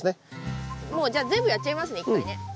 もうじゃあ全部やっちゃいますね一回ね。